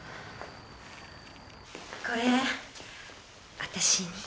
これ私に？